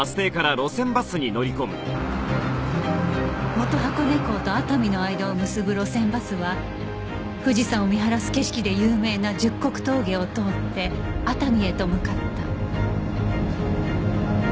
元箱根港と熱海の間を結ぶ路線バスは富士山を見晴らす景色で有名な十国峠を通って熱海へと向かった